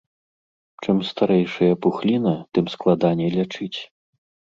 Чым старэйшая пухліна, тым складаней лячыць.